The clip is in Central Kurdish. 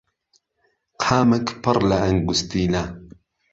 قامک پڕ لە ئەنگوستیلە